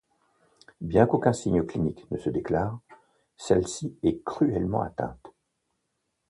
Bien qu'aucun signe clinique ne se déclare, celle-ci est cruellement atteinte.